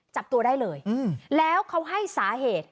จับตัวได้เลยแล้วเขาให้สาเหตุ